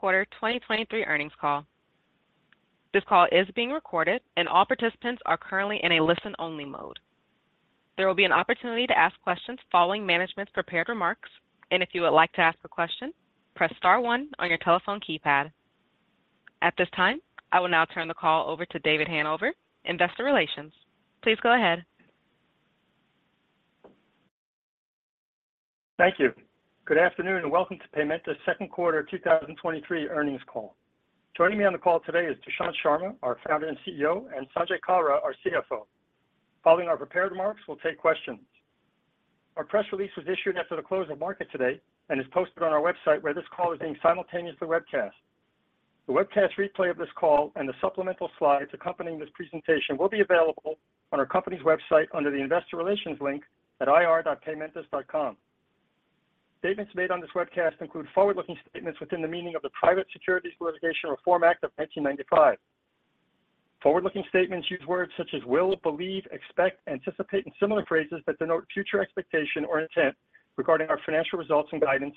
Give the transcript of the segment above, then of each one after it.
quarter 2023 earnings call. This call is being recorded, and all participants are currently in a listen-only mode. There will be an opportunity to ask questions following management's prepared remarks, and if you would like to ask a question, press star one on your telephone keypad. At this time, I will now turn the call over to David Hanover, Investor Relations. Please go ahead. Thank you. Good afternoon, welcome to Paymentus second quarter 2023 earnings call. Joining me on the call today is Dushyant Sharma, our founder and CEO, and Sanjay Kalra, our CFO. Following our prepared remarks, we'll take questions. Our press release was issued after the close of market today and is posted on our website, where this call is being simultaneous to webcast. The webcast replay of this call and the supplemental slides accompanying this presentation will be available on our company's website under the Investor Relations link at ir.paymentus.com. Statements made on this webcast include forward-looking statements within the meaning of the Private Securities Litigation Reform Act of 1995. Forward-looking statements use words such as will, believe, expect, anticipate, and similar phrases that denote future expectation or intent regarding our financial results and guidance,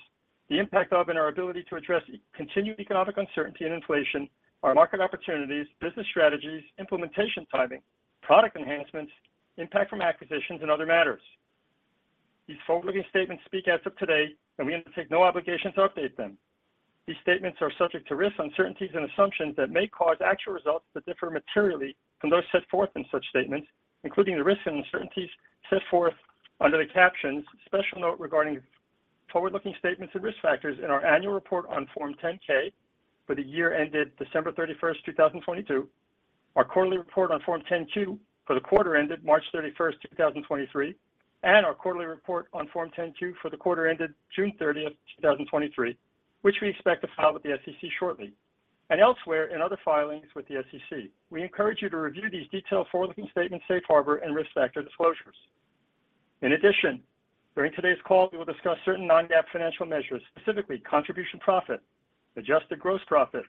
the impact of and our ability to address continued economic uncertainty and inflation, our market opportunities, business strategies, implementation timing, product enhancements, impact from acquisitions, and other matters. These forward-looking statements speak as of today, and we undertake no obligation to update them. These statements are subject to risks, uncertainties, and assumptions that may cause actual results to differ materially from those set forth in such statements, including the risks and uncertainties set forth under the captions, "Special Note Regarding Forward-Looking Statements and Risk Factors" in our annual report on Form 10-K for the year ended December 31st, 2022, our quarterly report on Form 10-K for the quarter ended March 31st, 2023, and our quarterly report on Form 10-K for the quarter ended June 30th, 2023, which we expect to file with the SEC shortly, and elsewhere in other filings with the SEC. We encourage you to review these detailed forward-looking statements, safe harbor, and risk factor disclosures. In addition, during today's call, we will discuss certain non-GAAP financial measures, specifically contribution profit, adjusted gross profit,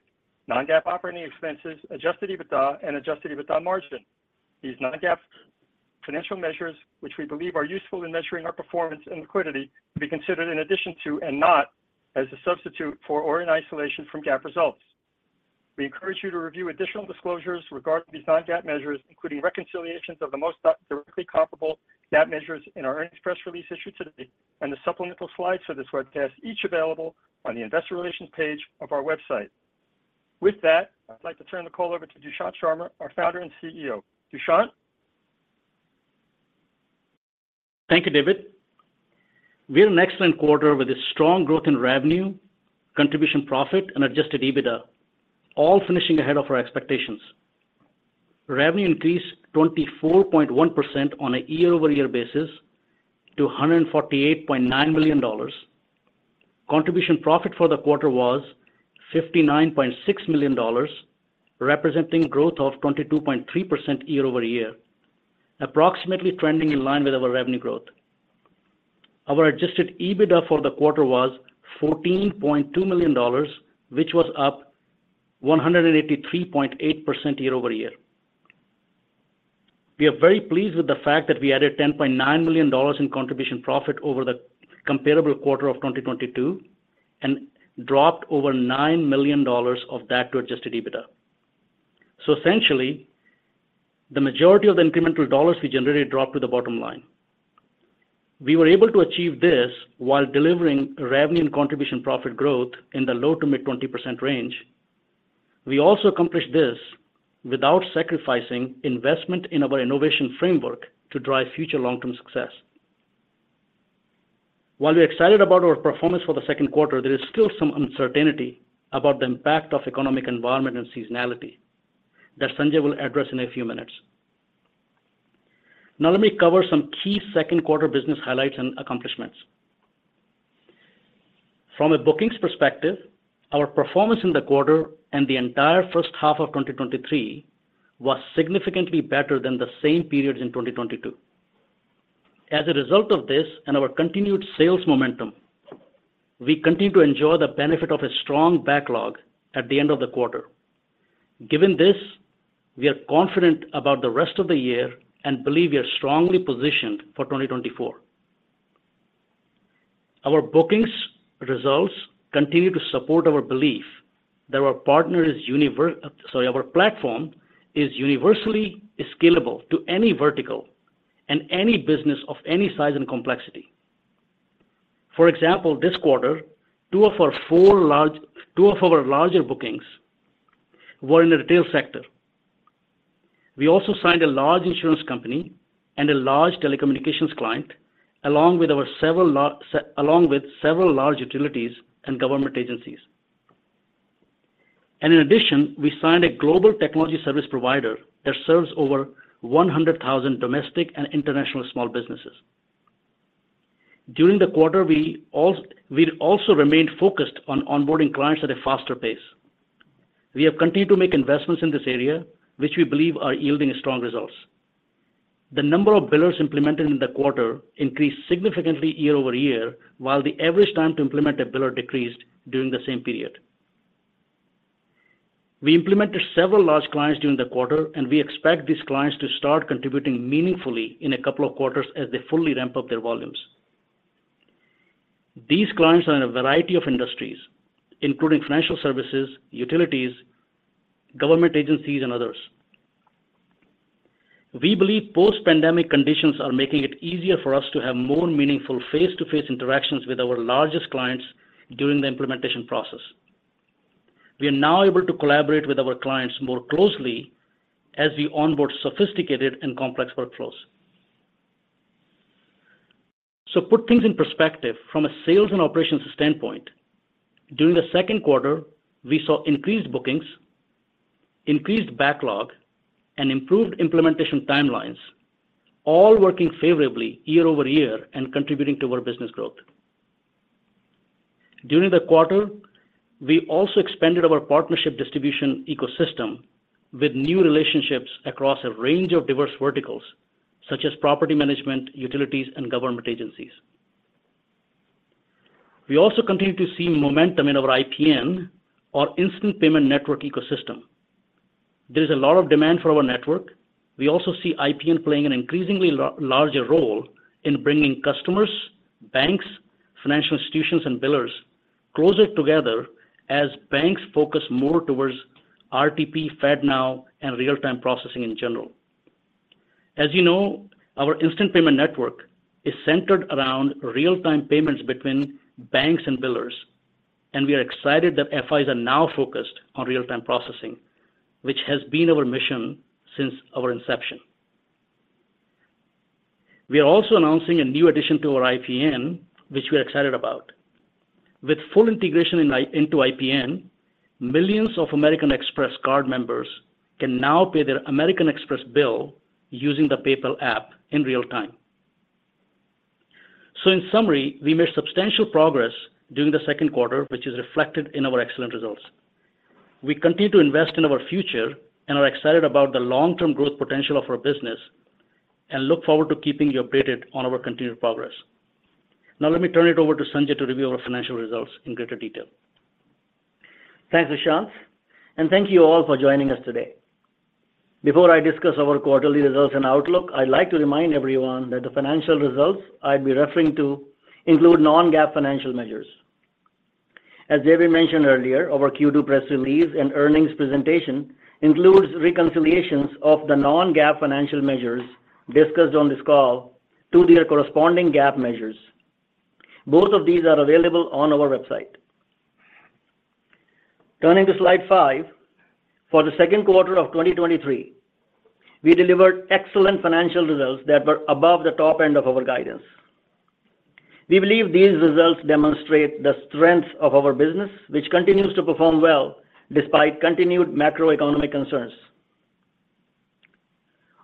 non-GAAP operating expenses, adjusted EBITDA, and adjusted EBITDA margin. These non-GAAP financial measures, which we believe are useful in measuring our performance and liquidity, should be considered in addition to and not as a substitute for or in isolation from GAAP results. We encourage you to review additional disclosures regarding these non-GAAP measures, including reconciliations of the most directly comparable GAAP measures in our earnings press release issued today and the supplemental slides for this webcast, each available on the Investor Relations page of our website. With that, I'd like to turn the call over to Dushyant Sharma, our founder and CEO. Dushyant? Thank you, David. We had an excellent quarter with a strong growth in revenue, contribution profit and adjusted EBITDA, all finishing ahead of our expectations. Revenue increased 24.1% on a year-over-year basis to $148.9 million. Contribution profit for the quarter was $59.6 million, representing growth of 22.3% year-over-year, approximately trending in line with our revenue growth. Our adjusted EBITDA for the quarter was $14.2 million, which was up 183.8% year-over-year. We are very pleased with the fact that we added $10.9 million in contribution profit over the comparable quarter of 2022 and dropped over $9 million of that to adjusted EBITDA. Essentially, the majority of the incremental dollars we generated dropped to the bottom line. We were able to achieve this while delivering revenue and contribution profit growth in the low to mid-20% range. We also accomplished this without sacrificing investment in our innovation framework to drive future long-term success. While we are excited about our performance for the second quarter, there is still some uncertainty about the impact of economic environment and seasonality that Sanjay will address in a few minutes. Now, let me cover some key second quarter business highlights and accomplishments. From a bookings perspective, our performance in the quarter and the entire first half of 2023 was significantly better than the same periods in 2022. As a result of this and our continued sales momentum, we continue to enjoy the benefit of a strong backlog at the end of the quarter. Given this, we are confident about the rest of the year and believe we are strongly positioned for 2024. Our bookings results continue to support our belief that our partner is sorry, our platform is universally scalable to any vertical and any business of any size and complexity. For example, this quarter, two of our four large-- two of our larger bookings were in the retail sector. We also signed a large insurance company and a large telecommunications client, along with our several large along with several large utilities and government agencies. In addition, we signed a global technology service provider that serves over 100,000 domestic and international small businesses. During the quarter, we also remained focused on onboarding clients at a faster pace. We have continued to make investments in this area, which we believe are yielding strong results. The number of billers implemented in the quarter increased significantly year-over-year, while the average time to implement a biller decreased during the same period. We implemented several large clients during the quarter, and we expect these clients to start contributing meaningfully in a couple of quarters as they fully ramp up their volumes. These clients are in a variety of industries, including financial services, utilities, government agencies, and others. We believe post-pandemic conditions are making it easier for us to have more meaningful face-to-face interactions with our largest clients during the implementation process. We are now able to collaborate with our clients more closely as we onboard sophisticated and complex workflows. To put things in perspective from a sales and operations standpoint, during the second quarter, we saw increased bookings, increased backlog, and improved implementation timelines, all working favorably year-over-year and contributing to our business growth. During the quarter, we also expanded our partnership distribution ecosystem with new relationships across a range of diverse verticals, such as property management, utilities, and government agencies. We also continue to see momentum in our IPN or Instant Payment Network ecosystem. There is a lot of demand for our network. We also see IPN playing an increasingly larger role in bringing customers, banks, financial institutions, and billers closer together as banks focus more towards RTP, FedNow, and real-time processing in general. As you know, our Instant Payment Network is centered around real-time payments between banks and billers, and we are excited that FIs are now focused on real-time processing, which has been our mission since our inception. We are also announcing a new addition to our IPN, which we are excited about. With full integration into IPN, millions of American Express card members can now pay their American Express bill using the PayPal app in real time. In summary, we made substantial progress during the second quarter, which is reflected in our excellent results. We continue to invest in our future and are excited about the long-term growth potential of our business. Look forward to keeping you updated on our continued progress. Let me turn it over to Sanjay to review our financial results in greater detail. Thanks, Dushyant, and thank you all for joining us today. Before I discuss our quarterly results and outlook, I'd like to remind everyone that the financial results I'll be referring to include non-GAAP financial measures. As David mentioned earlier, our Q2 press release and earnings presentation includes reconciliations of the non-GAAP financial measures discussed on this call to their corresponding GAAP measures. Both of these are available on our website. Turning to slide 5, for the second quarter of 2023, we delivered excellent financial results that were above the top end of our guidance. We believe these results demonstrate the strength of our business, which continues to perform well despite continued macroeconomic concerns.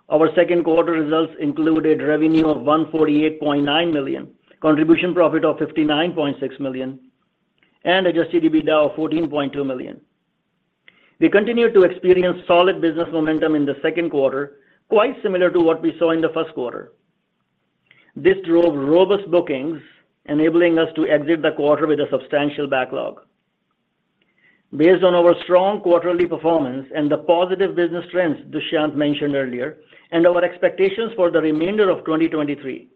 Our second quarter results included revenue of $148.9 million, contribution profit of $59.6 million, and adjusted EBITDA of $14.2 million. We continued to experience solid business momentum in the second quarter, quite similar to what we saw in the first quarter. This drove robust bookings, enabling us to exit the quarter with a substantial backlog. Based on our strong quarterly performance and the positive business trends Dushyant mentioned earlier, and our expectations for the remainder of 2023,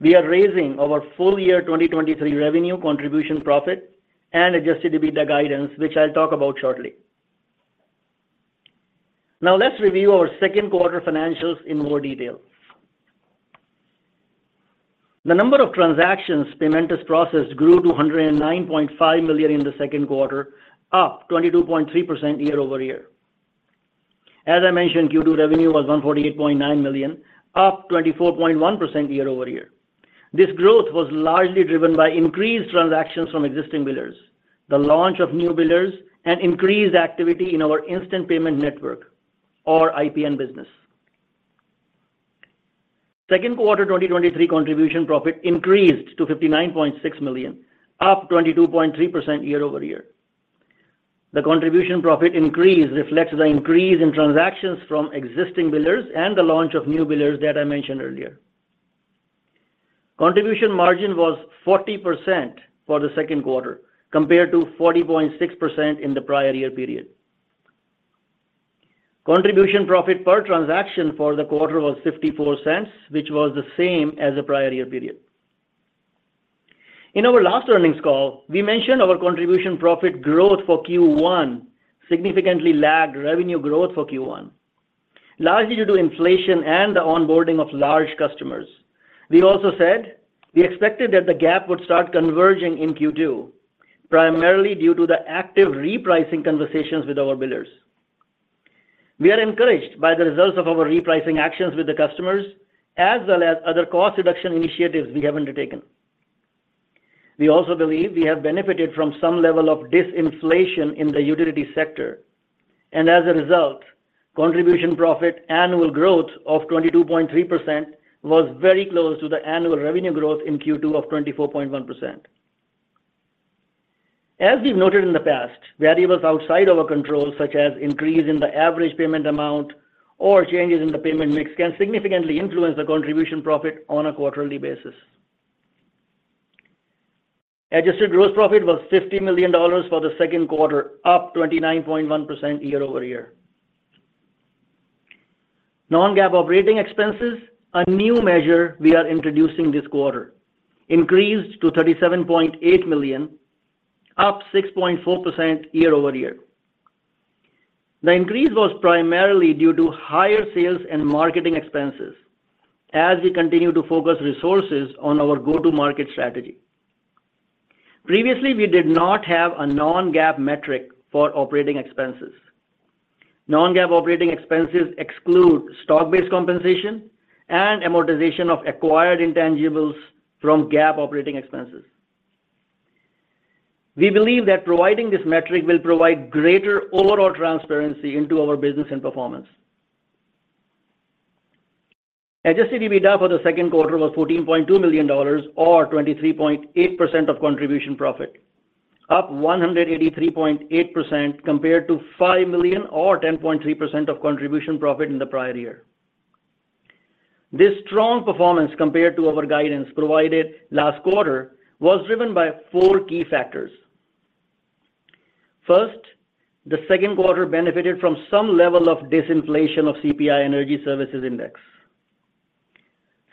we are raising our full-year 2023 revenue, contribution profit, and adjusted EBITDA guidance, which I'll talk about shortly. Let's review our second quarter financials in more detail. The number of transactions Paymentus processed grew to 109.5 million in the second quarter, up 22.3% year-over-year. As I mentioned, Q2 revenue was $148.9 million, up 24.1% year-over-year. This growth was largely driven by increased transactions from existing billers, the launch of new billers, and increased activity in our Instant Payment Network or IPN business. Second quarter 2023 contribution profit increased to $59.6 million, up 22.3% year-over-year. The contribution profit increase reflects the increase in transactions from existing billers and the launch of new billers that I mentioned earlier. Contribution margin was 40% for the second quarter, compared to 40.6% in the prior year period. Contribution profit per transaction for the quarter was $0.54, which was the same as the prior year period. In our last earnings call, we mentioned our contribution profit growth for Q1 significantly lagged revenue growth for Q1, largely due to inflation and the onboarding of large customers. We also said we expected that the gap would start converging in Q2, primarily due to the active repricing conversations with our billers. We are encouraged by the results of our repricing actions with the customers, as well as other cost reduction initiatives we have undertaken. We also believe we have benefited from some level of disinflation in the utility sector, and as a result, contribution profit annual growth of 22.3% was very close to the annual revenue growth in Q2 of 24.1%. As we've noted in the past, variables outside our control, such as increase in the average payment amount or changes in the payment mix, can significantly influence the contribution profit on a quarterly basis. adjusted gross profit was $50 million for the second quarter, up 29.1% year-over-year. Non-GAAP operating expenses, a new measure we are introducing this quarter, increased to $37.8 million, up 6.4% year-over-year. The increase was primarily due to higher sales and marketing expenses, as we continue to focus resources on our go-to-market strategy. Previously, we did not have a non-GAAP metric for operating expenses. Non-GAAP operating expenses exclude stock-based compensation and amortization of acquired intangibles from GAAP operating expenses. We believe that providing this metric will provide greater overall transparency into our business and performance. Adjusted EBITDA for the second quarter was $14.2 million, or 23.8% of contribution profit, up 183.8% compared to $5 million or 10.3% of contribution profit in the prior year. This strong performance compared to our guidance provided last quarter, was driven by 4 key factors. First, the second quarter benefited from some level of disinflation of CPI Energy Services index.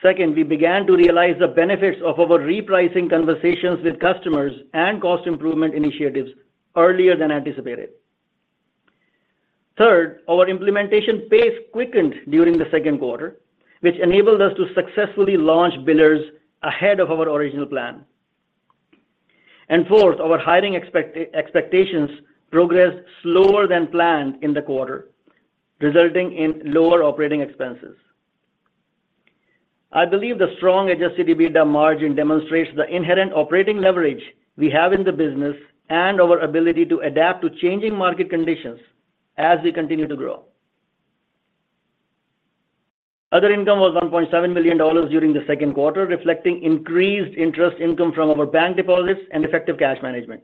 Second, we began to realize the benefits of our repricing conversations with customers and cost improvement initiatives earlier than anticipated. Third, our implementation pace quickened during the second quarter, which enabled us to successfully launch billers ahead of our original plan. Fourth, our hiring expectations progressed slower than planned in the quarter, resulting in lower operating expenses. I believe the strong adjusted EBITDA margin demonstrates the inherent operating leverage we have in the business, and our ability to adapt to changing market conditions as we continue to grow. Other income was $1.7 million during the second quarter, reflecting increased interest income from our bank deposits and effective cash management.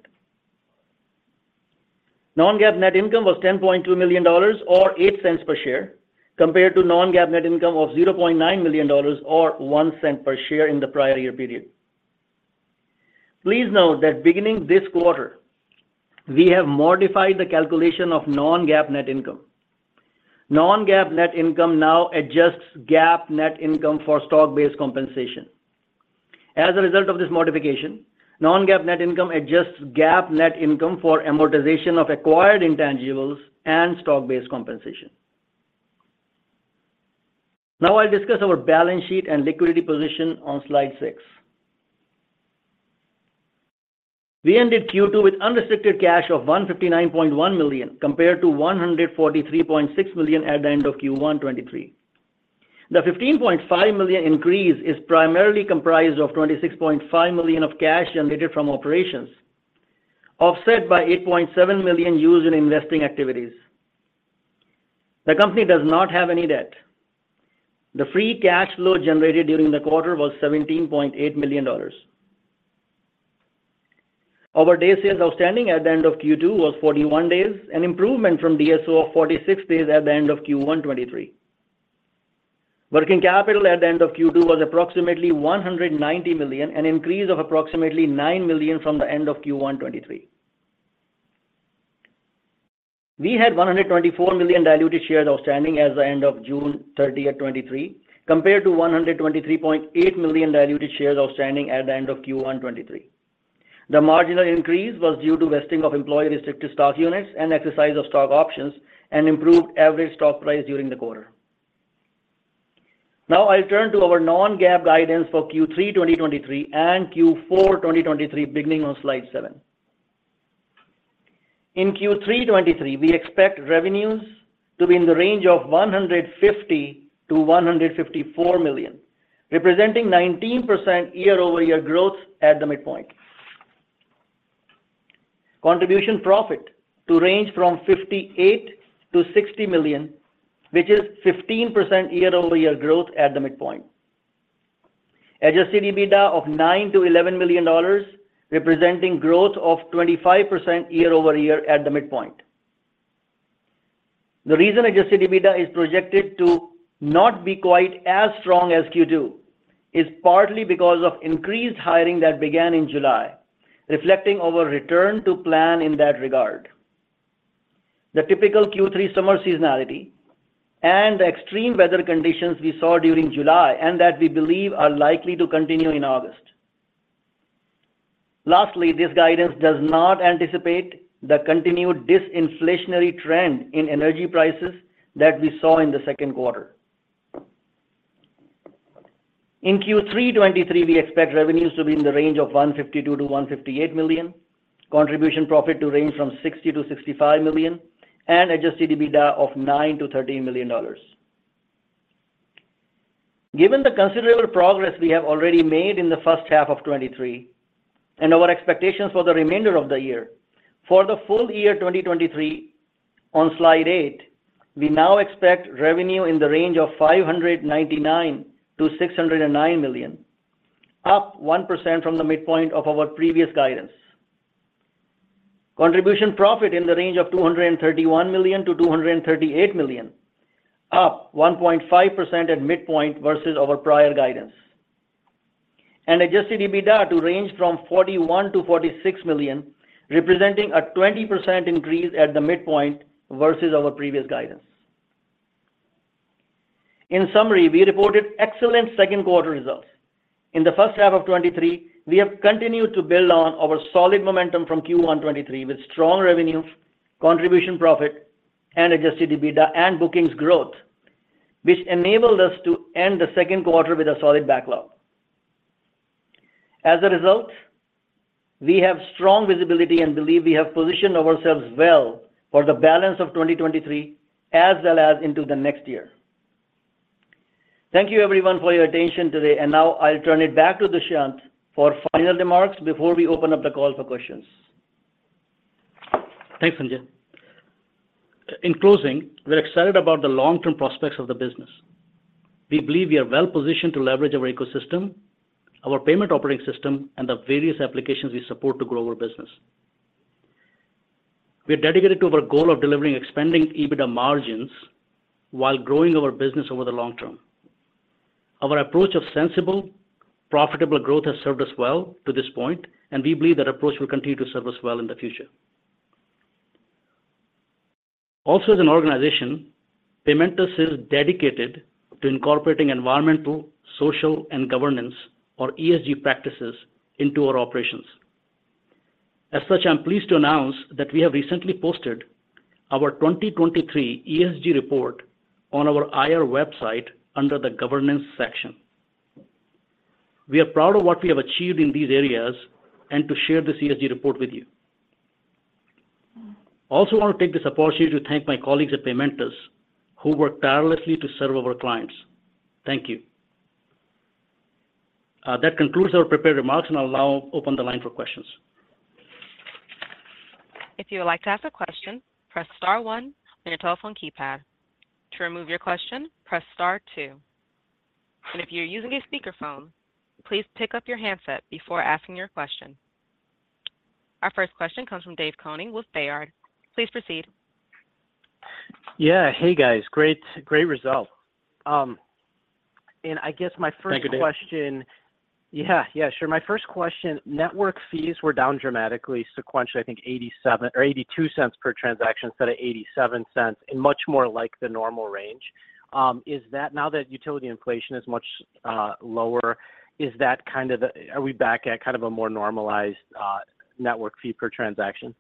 Non-GAAP net income was $10.2 million, or $0.08 per share, compared to non-GAAP net income of $0.9 million, or $0.01 per share in the prior year period. Please note that beginning this quarter, we have modified the calculation of non-GAAP net income. Non-GAAP net income now adjusts GAAP net income for stock-based compensation. As a result of this modification, non-GAAP net income adjusts GAAP net income for amortization of acquired intangibles and stock-based compensation. I'll discuss our balance sheet and liquidity position on slide 6. We ended Q2 with unrestricted cash of $159.1 million, compared to $143.6 million at the end of Q1 2023. The $15.5 million increase is primarily comprised of $26.5 million of cash generated from operations, offset by $8.7 million used in investing activities. The company does not have any debt. The free cash flow generated during the quarter was $17.8 million. Our days sales outstanding at the end of Q2 was 41 days, an improvement from DSO of 46 days at the end of Q1 2023. Working capital at the end of Q2 was approximately $190 million, an increase of approximately $9 million from the end of Q1 2023. We had 124 million diluted shares outstanding as of the end of June 30, 2023, compared to 123.8 million diluted shares outstanding at the end of Q1 2023. The marginal increase was due to vesting of employee restricted stock units and exercise of stock options, and improved average stock price during the quarter. Now, I'll turn to our non-GAAP guidance for Q3 2023 and Q4 2023, beginning on slide 7. In Q3 2023, we expect revenues to be in the range of $150 million-$154 million, representing 19% year-over-year growth at the midpoint. Contribution profit to range from $58 million-$60 million, which is 15% year-over-year growth at the midpoint. adjusted EBITDA of $9 million-$11 million, representing growth of 25% year-over-year at the midpoint. The reason adjusted EBITDA is projected to not be quite as strong as Q2, is partly because of increased hiring that began in July, reflecting our return to plan in that regard. The typical Q3 summer seasonality and the extreme weather conditions we saw during July, and that we believe are likely to continue in August. Lastly, this guidance does not anticipate the continued disinflationary trend in energy prices that we saw in the second quarter. In Q3 2023, we expect revenues to be in the range of $152 million-$158 million, contribution profit to range from $60 million-$65 million, and adjusted EBITDA of $9 million-$13 million. Given the considerable progress we have already made in the first half of 2023, and our expectations for the remainder of the year, for the full year 2023, on slide 8, we now expect revenue in the range of $599 million-$609 million, up 1% from the midpoint of our previous guidance. Contribution profit in the range of $231 million-$238 million, up 1.5% at midpoint versus our prior guidance. Adjusted EBITDA to range from $41 million-$46 million, representing a 20% increase at the midpoint versus our previous guidance. In summary, we reported excellent second quarter results. In the first half of 2023, we have continued to build on our solid momentum from Q1 2023, with strong revenue, contribution profit, and adjusted EBITDA and bookings growth, which enabled us to end the second quarter with a solid backlog. As a result, we have strong visibility and believe we have positioned ourselves well for the balance of 2023, as well as into the next year. Thank you everyone for your attention today, now I'll turn it back to Dushyant for final remarks before we open up the call for questions. Thanks, Sanjay. In closing, we're excited about the long-term prospects of the business. We believe we are well positioned to leverage our ecosystem, our payment operating system, and the various applications we support to grow our business. We are dedicated to our goal of delivering expanding EBITDA margins while growing our business over the long term. Our approach of sensible, profitable growth has served us well to this point, and we believe that approach will continue to serve us well in the future. As an organization, Paymentus is dedicated to incorporating environmental, social, and governance, or ESG practices into our operations. As such, I'm pleased to announce that we have recently posted our 2023 ESG report on our IR website under the Governance section. We are proud of what we have achieved in these areas and to share this ESG report with you. I also want to take this opportunity to thank my colleagues at Paymentus, who work tirelessly to serve our clients. Thank you. That concludes our prepared remarks, and I'll now open the line for questions. If you would like to ask a question, press star one on your telephone keypad. To remove your question, press star two. If you're using a speakerphone, please pick up your handset before asking your question. Our first question comes from Dave Koning with Baird. Please proceed. Yeah. Hey, guys. Great, great result. I guess my first- Thank you, Dave. question. Yeah, yeah, sure. My first question, network fees were down dramatically, sequentially, I think $0.87 or $0.82 per transaction, instead of $0.87 and much more like the normal range. Is that now that utility inflation is much lower, is that kind of are we back at kind of a more normalized network fee per transaction?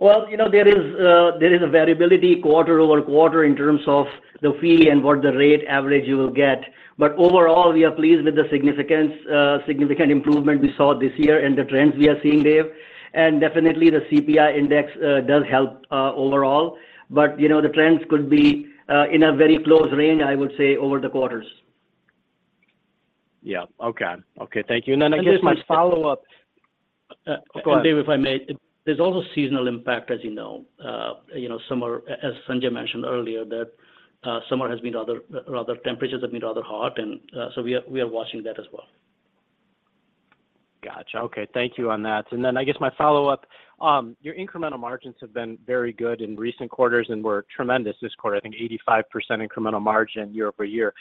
Well, you know, there is, there is a variability quarter over quarter in terms of the fee and what the rate average you will get. Overall, we are pleased with the significance, significant improvement we saw this year and the trends we are seeing, Dave. Definitely, the CPI index, does help, overall, but, you know, the trends could be, in a very close range, I would say, over the quarters. Yeah. Okay. Okay, thank you. Then I guess my follow-up- Go on, Dave, if I may. There's also seasonal impact, as you know. You know, summer, as Sanjay mentioned earlier, that, summer has been rather temperatures have been rather hot, and, so we are, we are watching that as well. Gotcha. Okay, thank you on that. Then I guess my follow-up, your incremental margins have been very good in recent quarters and were tremendous this quarter. I think 85% incremental margin year-over-year.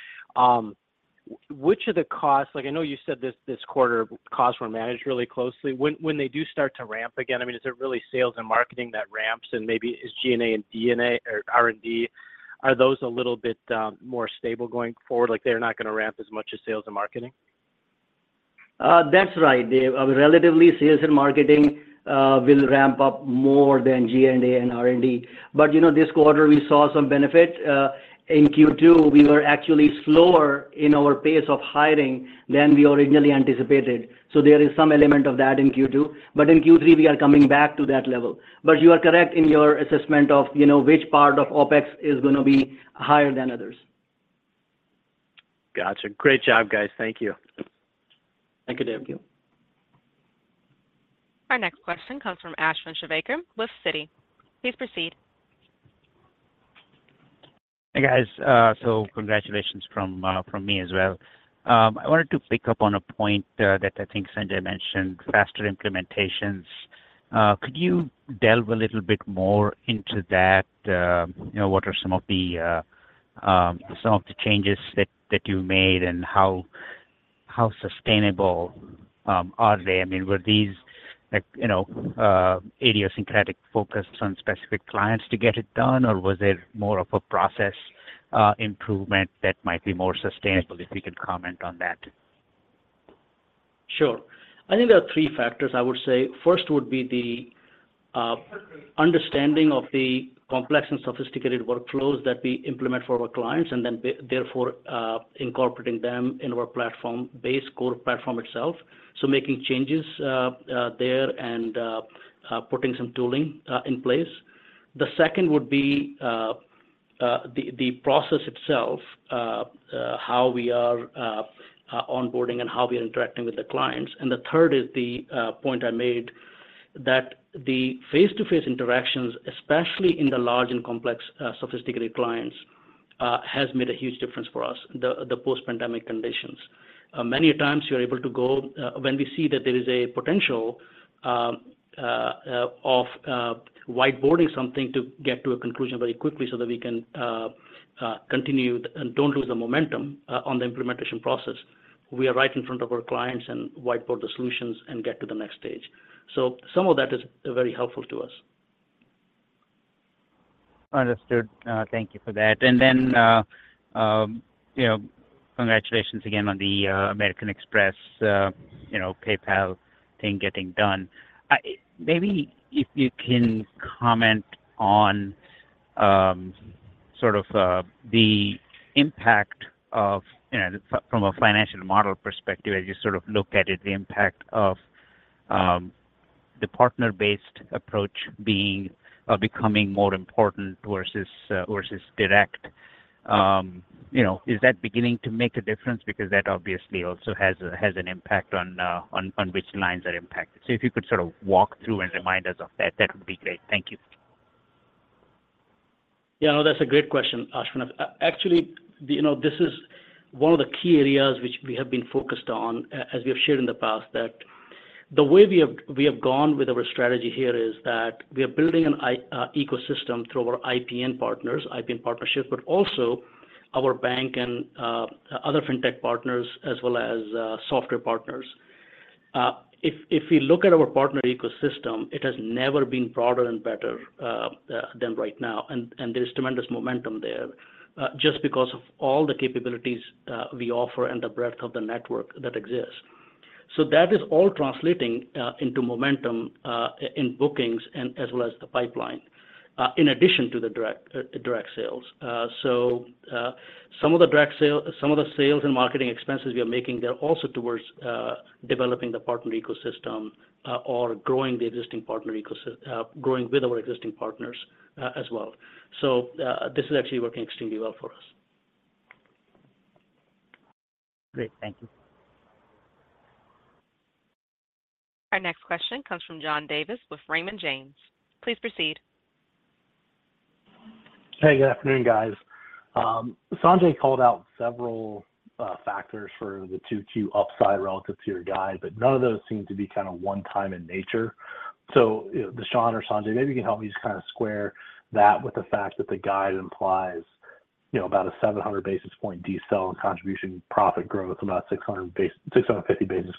Which of the costs, like I know you said this, this quarter, costs were managed really closely. When they do start to ramp again, I mean, is it really sales and marketing that ramps and maybe is G&A and D&A or R&D, are those a little bit more stable going forward? Like, they're not gonna ramp as much as sales and marketing? That's right, Dave. Relatively, sales and marketing will ramp up more than G&A and R&D. You know, this quarter, we saw some benefit. In Q2, we were actually slower in our pace of hiring than we originally anticipated, so there is some element of that in Q2, but in Q3, we are coming back to that level. You are correct in your assessment of, you know, which part of OpEx is gonna be higher than others. Gotcha. Great job, guys. Thank you. Thank you, Dave. Thank you. Our next question comes from Ashwin Shirvaikar with Citi. Please proceed. Hey, guys. Congratulations from, from me as well. I wanted to pick up on a point, that I think Sanjay mentioned, faster implementations. Could you delve a little bit more into that? You know, what are some of the, some of the changes that, that you made and how, how sustainable, are they? I mean, were these, like, you know, idiosyncratic focus on specific clients to get it done, or was it more of a process, improvement that might be more sustainable? If you could comment on that. Sure. I think there are three factors, I would say. First, would be the understanding of the complex and sophisticated workflows that we implement for our clients, and then therefore, incorporating them in our platform, base core platform itself. Making changes there and putting some tooling in place. The second would be the process itself, how we are onboarding and how we are interacting with the clients. The third is the point I made that the face-to-face interactions, especially in the large and complex, sophisticated clients-... has made a huge difference for us, the, the post-pandemic conditions. Many times you are able to go when we see that there is a potential of whiteboarding something to get to a conclusion very quickly so that we can continue and don't lose the momentum on the implementation process, we are right in front of our clients and whiteboard the solutions and get to the next stage. So some of that is very helpful to us. Understood. Thank you for that. And then, you know, congratulations again on the American Express, you know, PayPal thing getting done. Maybe if you can comment on, sort of, the impact of, you know, from a financial model perspective, as you sort of look at it, the impact of, the partner-based approach being, becoming more important versus, versus direct. You know, is that beginning to make a difference? Because that obviously also has a, has an impact on, on, on which lines are impacted. If you could sort of walk through and remind us of that, that would be great. Thank you. Yeah, no, that's a great question, Ashwin. Actually, you know, this is one of the key areas which we have been focused on, as we have shared in the past, that the way we have-- we have gone with our strategy here is that we are building an ecosystem through our IPN partners, IPN partnerships, but also our bank and other fintech partners as well as software partners. If, if we look at our partner ecosystem, it has never been broader and better than right now, and there is tremendous momentum there, just because of all the capabilities we offer and the breadth of the network that exists. So that is all translating into momentum in bookings and as well as the pipeline, in addition to the direct, direct sales. Some of the sales and marketing expenses we are making, they're also towards developing the partner ecosystem, or growing with our existing partners as well. This is actually working extremely well for us. Great. Thank you. Our next question comes from John Davis with Raymond James. Please proceed. Hey, good afternoon, guys. Sanjay called out several factors for the 2Q upside relative to your guide, but none of those seem to be kind of one time in nature. Dushyant or Sanjay, maybe you can help me just kind of square that with the fact that the guide implies, you know, about a 700 basis points decel in contribution profit growth, about 650 basis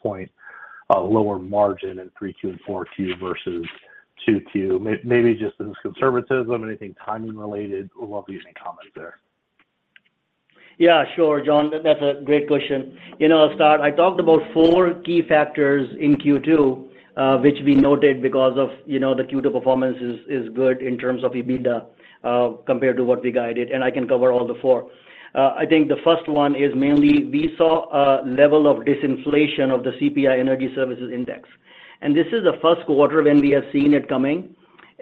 points lower margin in 3Q and 4Q versus 2Q. Maybe just as conservatism, anything timing related? Would love to hear any comments there. Yeah, sure, John. That's a great question. You know, I'll start. I talked about 4 key factors in Q2, which we noted because of, you know, the Q2 performance is good in terms of EBITDA compared to what we guided. I can cover all the 4. I think the first one is mainly we saw a level of disinflation of the CPI Energy Services index. This is the first quarter when we have seen it coming.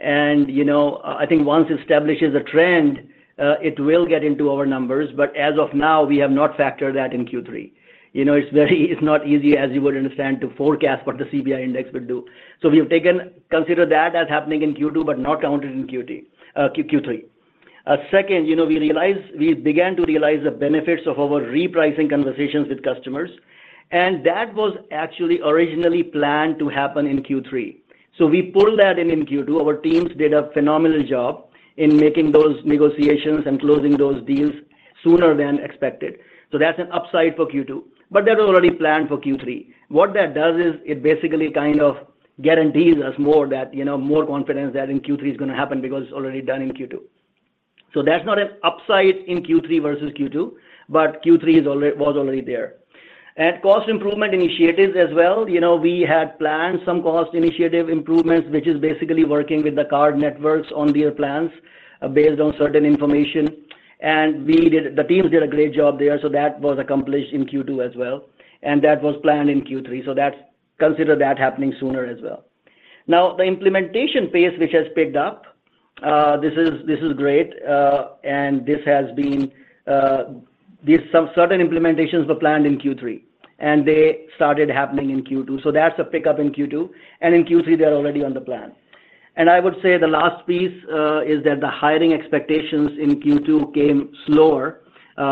You know, I think once establishes a trend, it will get into our numbers, but as of now, we have not factored that in Q3. You know, it's very, it's not easy, as you would understand, to forecast what the CPI index will do. We have consider that as happening in Q2, but not counted in Q3, Q3. Second, you know, we began to realize the benefits of our repricing conversations with customers, that was actually originally planned to happen in Q3. We pulled that in in Q2. Our teams did a phenomenal job in making those negotiations and closing those deals sooner than expected. That's an upside for Q2, but that was already planned for Q3. What that does is, it basically kind of guarantees us more that, you know, more confidence that in Q3 is gonna happen because it's already done in Q2. That's not an upside in Q3 versus Q2, but Q3 was already there. Cost improvement initiatives as well. You know, we had planned some cost initiative improvements, which is basically working with the card networks on their plans based on certain information. We did-- the teams did a great job there, so that was accomplished in Q2 as well, and that was planned in Q3, so that's-- consider that happening sooner as well. The implementation pace, which has picked up, this is, this is great, and this has been... These some certain implementations were planned in Q3, and they started happening in Q2, so that's a pickup in Q2, and in Q3, they're already on the plan. I would say the last piece, is that the hiring expectations in Q2 came slower,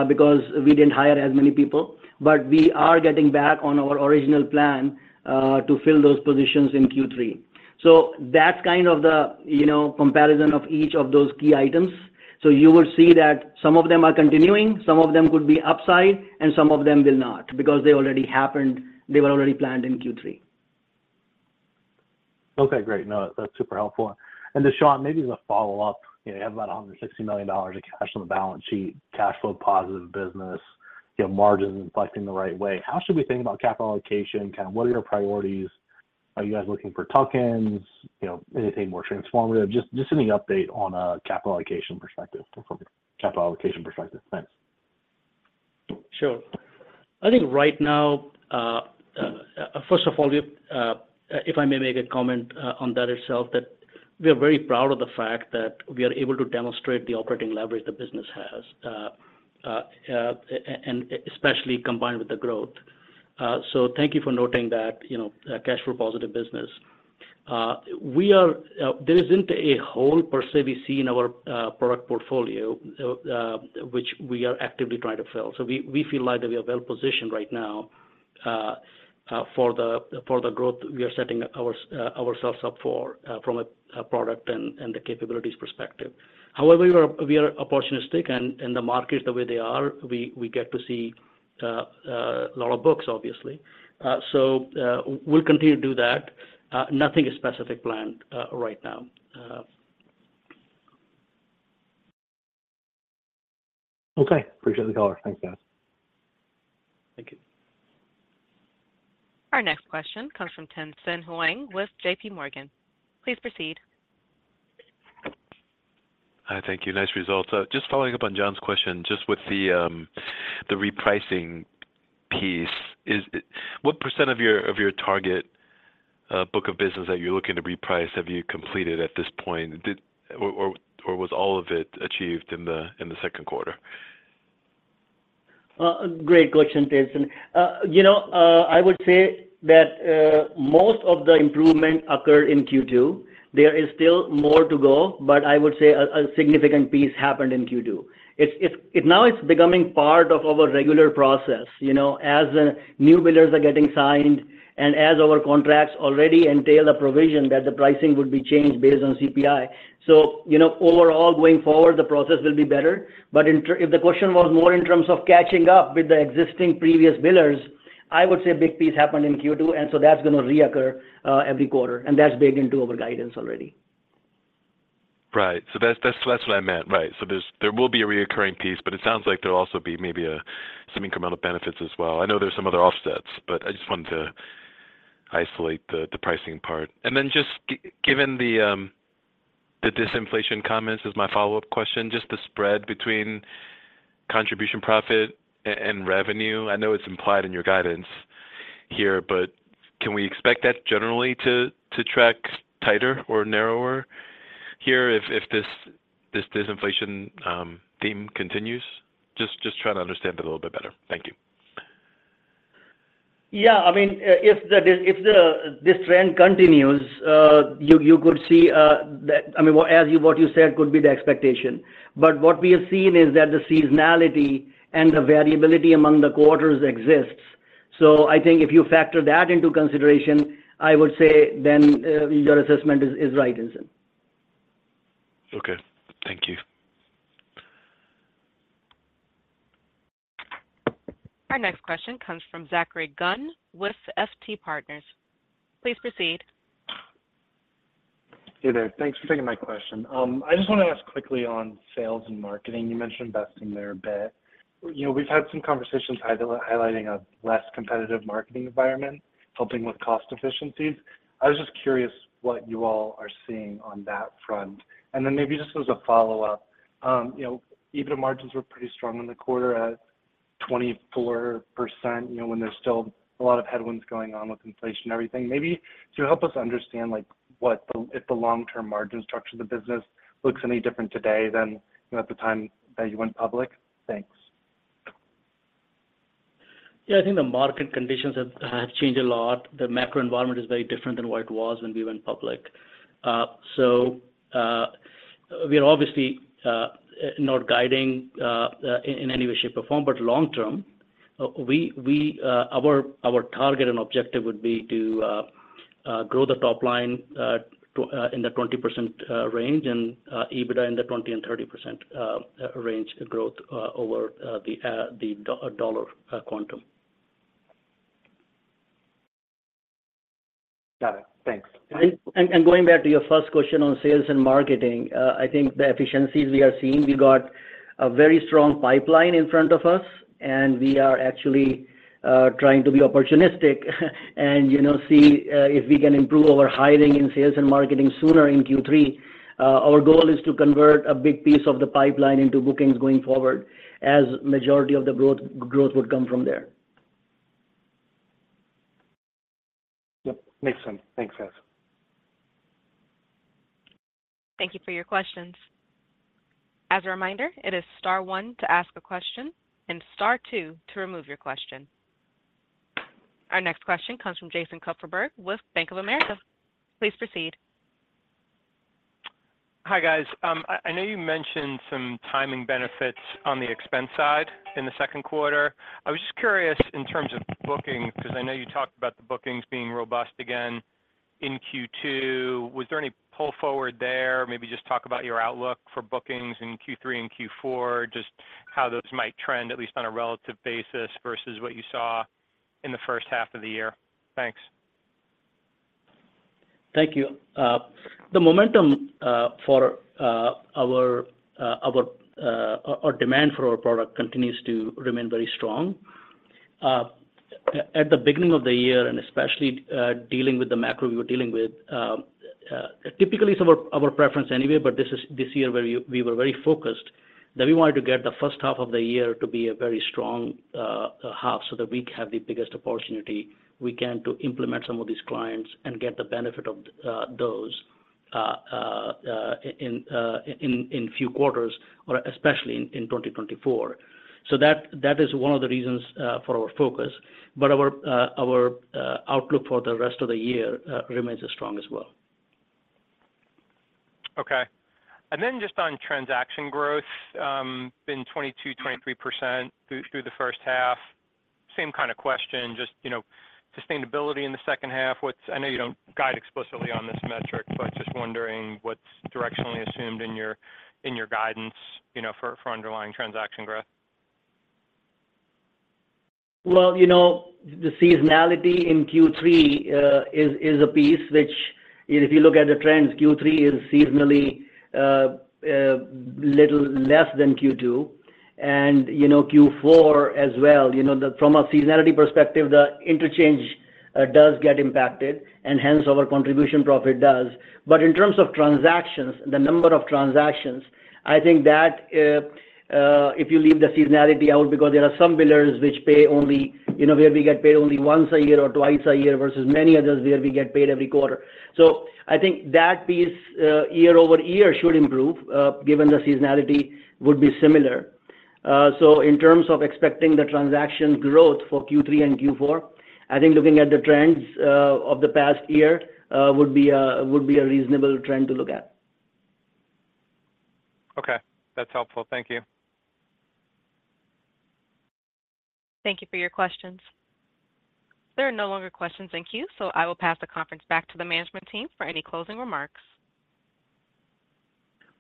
because we didn't hire as many people, but we are getting back on our original plan, to fill those positions in Q3. That's kind of the, you know, comparison of each of those key items. You will see that some of them are continuing, some of them could be upside, and some of them will not, because they already happened, they were already planned in Q3. Okay, great. No, that's super helpful. Dushyant, maybe as a follow-up, you know, you have about $160 million of cash on the balance sheet, cash flow positive business, you have margins inflicting the right way. How should we think about capital allocation? Kind of what are your priorities? Are you guys looking for tuck-ins, you know, anything more transformative? Just any update on a capital allocation perspective, from a capital allocation perspective. Thanks. Sure. I think right now, first of all, we, if I may make a comment, on that itself, that we are very proud of the fact that we are able to demonstrate the operating leverage the business has, and especially combined with the growth. Thank you for noting that, you know, cash flow positive business. We are, there isn't a whole per se we see in our product portfolio, which we are actively trying to fill. We, we feel like we are well positioned right now, for the growth we are setting ourselves up for, from a product and the capabilities perspective. However, we are, we are opportunistic, and, and the markets, the way they are, we, we get to see, a lot of books, obviously. We'll continue to do that. Nothing is specific planned, right now. Okay. Appreciate the call. Thanks, guys. Thank you. Our next question comes from Tien-Tsin Huang with JP Morgan. Please proceed. Hi, thank you. Nice results. just following up on John's question, just with the repricing piece, What % of your, of your target book of business that you're looking to reprice have you completed at this point? or was all of it achieved in the second quarter? Great question, Tinson. You know, I would say that most of the improvement occurred in Q2. There is still more to go, but I would say a significant piece happened in Q2. It's now becoming part of our regular process. You know, as the new billers are getting signed and as our contracts already entail a provision that the pricing would be changed based on CPI. You know, overall, going forward, the process will be better. If the question was more in terms of catching up with the existing previous billers, I would say a big piece happened in Q2, and that's gonna reoccur every quarter, and that's baked into our guidance already. Right. That's, that's, that's what I meant. Right. There's, there will be a reoccurring piece, but it sounds like there'll also be maybe some incremental benefits as well. I know there's some other offsets, but I just wanted to isolate the pricing part. Then just given the disinflation comments, as my follow-up question, just the spread between contribution profit and revenue. I know it's implied in your guidance here, but can we expect that generally to track tighter or narrower here if this disinflation theme continues? Just trying to understand it a little bit better. Thank you. Yeah, I mean, if this trend continues, you, you could see, I mean, as you, what you said could be the expectation. What we have seen is that the seasonality and the variability among the quarters exists. I think if you factor that into consideration, I would say then, your assessment is, is right, Tinson. Okay, thank you. Our next question comes from Zachary Gunn with FT Partners. Please proceed. Hey there. Thanks for taking my question. I just want to ask quickly on sales and marketing. You mentioned investing there a bit. You know, we've had some conversations highlighting a less competitive marketing environment, helping with cost efficiencies. I was just curious what you all are seeing on that front. Then maybe just as a follow-up, you know, EBITDA margins were pretty strong in the quarter at 24%, you know, when there's still a lot of headwinds going on with inflation and everything. Maybe just help us understand, like, what the, if the long-term margin structure of the business looks any different today than, you know, at the time that you went public? Thanks. Yeah, I think the market conditions have changed a lot. The macro environment is very different than what it was when we went public. We are obviously not guiding in any way, shape, or form, but long term, our target and objective would be to grow the top line to in the 20% range, and EBITDA in the 20%-30% range growth over the dollar quantum. Got it. Thanks. Going back to your first question on sales and marketing, I think the efficiencies we are seeing, we got a very strong pipeline in front of us, and we are actually, trying to be opportunistic, and, you know, see, if we can improve our hiring in sales and marketing sooner in Q3. Our goal is to convert a big piece of the pipeline into bookings going forward, as majority of the growth, growth would come from there. Yep, makes sense. Thanks, guys. Thank you for your questions. As a reminder, it is star one to ask a question and star two to remove your question. Our next question comes from Jason Kupferberg with Bank of America. Please proceed. Hi, guys. I know you mentioned some timing benefits on the expense side in the second quarter. I was just curious in terms of bookings, because I know you talked about the bookings being robust again in Q2. Was there any pull forward there? Maybe just talk about your outlook for bookings in Q3 and Q4, just how those might trend, at least on a relative basis, versus what you saw in the first half of the year. Thanks. Thank you. The momentum for our our our demand for our product continues to remain very strong. At, at the beginning of the year, and especially, dealing with the macro, we were dealing with, typically it's our, our preference anyway, but this year, where we, we were very focused, that we wanted to get the first half of the year to be a very strong, half, so that we can have the biggest opportunity we can to implement some of these clients and get the benefit of, those.... in few quarters or especially in 2024. That, that is one of the reasons for our focus. Our, our outlook for the rest of the year remains as strong as well. Okay. Then just on transaction growth, been 22%, 23% through, through the first half. Same kind of question, just, you know, sustainability in the second half. What's-- I know you don't guide explicitly on this metric, but just wondering what's directionally assumed in your, in your guidance, you know, for, for underlying transaction growth? You know, the seasonality in Q3 is, is a piece which if you look at the trends, Q3 is seasonally a little less than Q2, and, you know, Q4 as well. You know, the from a seasonality perspective, the interchange does get impacted, and hence, our contribution profit does. In terms of transactions, the number of transactions, I think that if you leave the seasonality out, because there are some billers which pay only, you know, where we get paid only once a year or twice a year, versus many others where we get paid every quarter. I think that piece year-over-year should improve given the seasonality would be similar. In terms of expecting the transaction growth for Q3 and Q4, I think looking at the trends of the past year, would be a, would be a reasonable trend to look at. Okay. That's helpful. Thank you. Thank you for your questions. There are no longer questions in queue. I will pass the conference back to the management team for any closing remarks.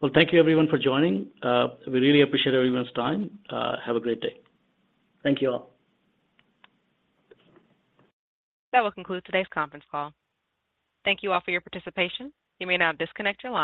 Well, thank you everyone for joining. We really appreciate everyone's time. Have a great day. Thank you, all. That will conclude today's conference call. Thank you all for your participation. You may now disconnect your line.